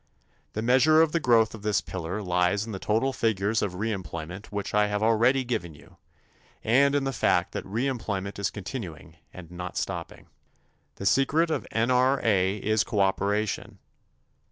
The measure of the growth of this pillar lies in the total figures of reemployment which I have already given you and in the fact that reemployment is continuing and not stopping. The secret of N.R.A. is cooperation.